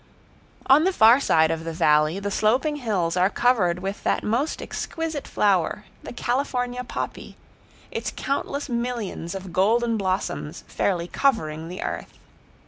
On the far side of the valley the sloping hills are covered with that most exquisite flower, the California poppy, its countless millions of golden blossoms fairly covering the earth.